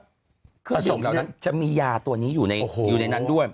เพราะว่าเครื่องดื่มจะมียาตัวนี้อยู่ในนั้นด้วย